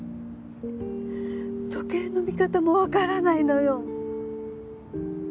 時計の見方もわからないのよ。